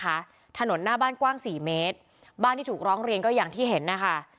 ถนนหน้าบ้านกว้างสี่เมตรบ้านที่ถูกร้องเรียนก็อย่างที่เห็นนะคะ